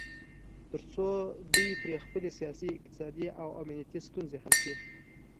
تر څو دوی پرې خپلې سیاسي، اقتصادي او امنیتي ستونځې حل کړي